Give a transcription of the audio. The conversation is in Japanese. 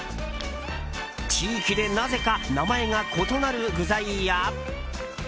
地域でなぜか名前が異なる具材や。